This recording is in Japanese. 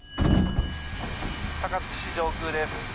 高槻市上空です。